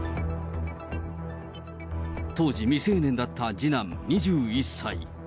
当時未成年だった次男２１歳。